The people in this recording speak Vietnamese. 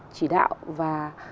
chỉ đạo và